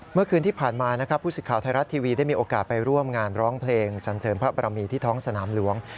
เมื่อคืนที่ผ่านมานะครับผู้สิทธิ์ข่าวไทยรัฐทีวีได้มีโอกาสไปร่วมงานร้องเพลงสันเสริมพระบรมีที่ท้องสนามหลวง